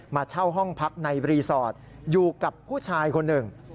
เช่าห้องพักในรีสอร์ทอยู่กับผู้ชายคนหนึ่ง